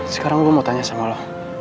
sekarang gue mau tanya sama lo